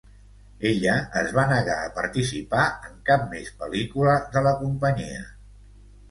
Ella es va negar a participar en cap més pel·lícula de la companyia.